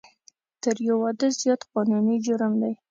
تر یو واده زیات قانوني جرم دی